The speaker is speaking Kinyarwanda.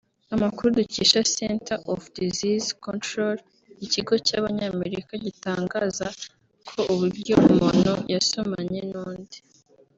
Amakuru dukesha Center of Disease Control Ikigo cy’Abanyamerika gitangaza ko uburyo umuntu yasomanye n’undi